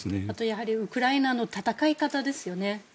あとウクライナの戦い方ですよね。